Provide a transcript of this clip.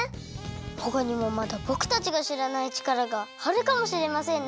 ほかにもまだぼくたちがしらないチカラがあるかもしれませんね！